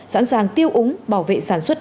sẵn sàng tiêu úng bảo vệ sản xuất